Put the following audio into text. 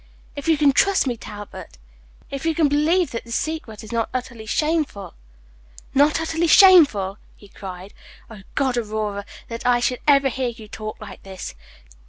If you can trust me, Talbot if you can believe that this secret is not utterly shameful " "Not utterly shameful!" he cried. "O God, Aurora, that I should ever hear you talk like this!